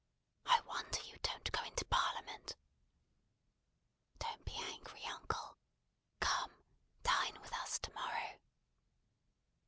"I wonder you don't go into Parliament." "Don't be angry, uncle. Come! Dine with us to morrow."